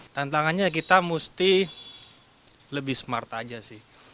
tantangannya kita mesti lebih smart aja sih